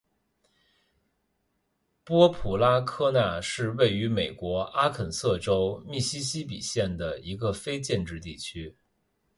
波普拉科纳是位于美国阿肯色州密西西比县的一个非建制地区。